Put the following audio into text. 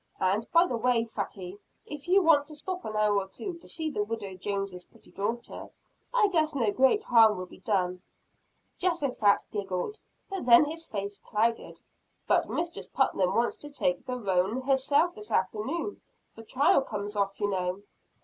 And, by the way, Fatty, if you want to stop an hour or two to see the widow Jones's pretty daughter, I guess no great harm will be done." Jehosaphat giggled but then his face clouded. "But Mistress Putnam wants to take the roan herself this afternoon. The trial comes off, you know."